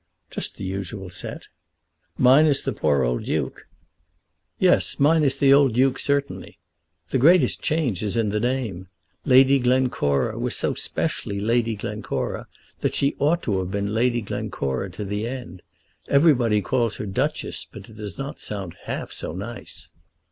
"Just the usual set." "Minus the poor old Duke?" "Yes; minus the old Duke certainly. The greatest change is in the name. Lady Glencora was so specially Lady Glencora that she ought to have been Lady Glencora to the end. Everybody calls her Duchess, but it does not sound half so nice."